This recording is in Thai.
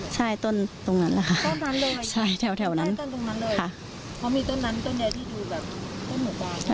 ใช่ต้นตรงนั้นค่ะใช่แถวนั้นค่ะ